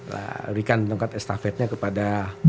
larikan tongkat estafetnya kepada